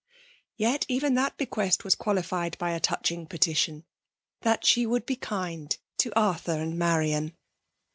Yet even that bequest was qualified by a touching petition, that she would be kind to Arthur and Marian.